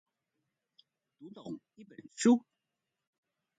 讀懂一本書